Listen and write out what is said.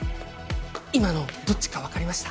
今のどっちか分かりました？